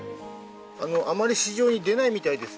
あまり市場に出ないみたいですね。